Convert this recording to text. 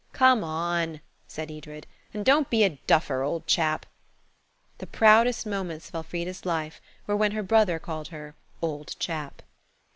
"Come on," said Edred, "and don't be a duffer, old chap." The proudest moments of Elfrida's life were when her brother called her "old chap."